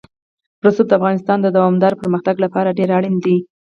رسوب د افغانستان د دوامداره پرمختګ لپاره ډېر اړین دي.